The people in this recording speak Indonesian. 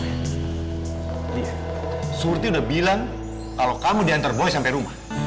bi surti udah bilang kalau kamu diantar boy sampai rumah